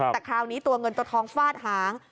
แต่คราวนี้ตัวเงินตัวทองฟาดหาง